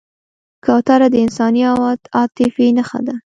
کوتره د انساني عاطفې نښه ده.